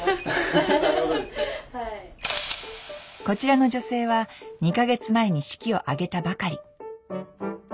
こちらの女性は２か月前に式を挙げたばかり。